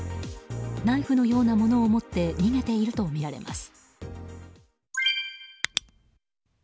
ナイフのようなものを持って逃げているとみられます。